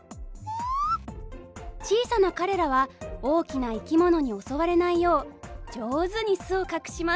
小さな彼らは大きな生き物に襲われないよう上手に巣を隠します。